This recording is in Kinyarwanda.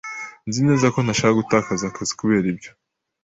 Nzi neza ko ntashaka gutakaza akazi kubera ibyo.